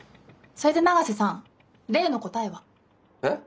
それで永瀬さん例の答えは？えっ？